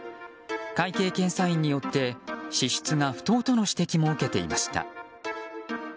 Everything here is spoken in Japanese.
会計検査院によって支出が不当との指摘も受けていました。